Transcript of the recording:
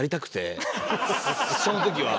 その時は。